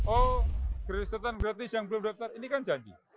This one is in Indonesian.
oh gresetan gratis yang belum daftar ini kan janji